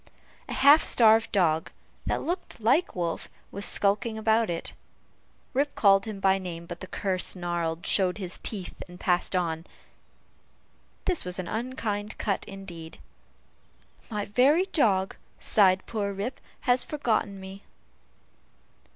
A half starved dog, that looked like Wolf, was skulking about it. Rip called him by name, but the cur snarled, showed his teeth, and passed on. This was an unkind cut indeed. "My very dog," sighed poor Rip, "has forgotten me!"